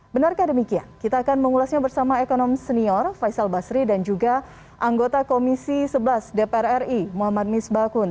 benarkah demikian kita akan mengulasnya bersama ekonom senior faisal basri dan juga anggota komisi sebelas dpr ri muhammad misbakun